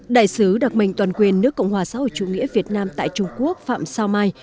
đại sứ đặc mệnh toàn quyền nước cộng hòa xã hội chủ nghĩa việt nam tại trung quốc phạm sao mai